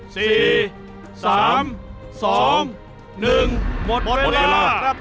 สี่สามสองหนึ่งหมดเวลาครับ